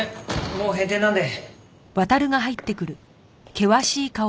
もう閉店なんで。